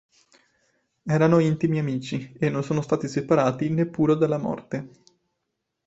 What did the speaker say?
Erano intimi amici, e non sono stati separati neppure dalla morte.